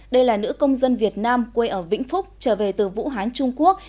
đây là nữ công dân việt nam quê ở vĩnh phúc trở về từ vũ hán trung quốc